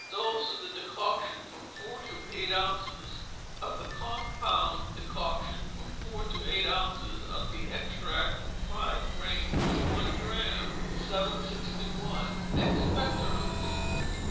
Dose, of the decoction, from four to eight ounces; of the compound decoction, from four to eight ounces; of the extract, from five grains to one drachm. 761. Expectorants.